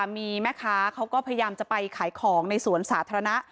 มีแม่ค้าเขาก็พยายามจะไปขายของในสวนสาธารณะ